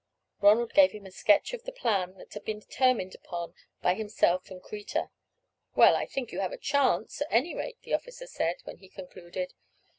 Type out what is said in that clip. Ronald gave him a sketch of the plan that had been determined upon by himself and Kreta. "Well, I think you have a chance at any rate," the officer said, when he concluded.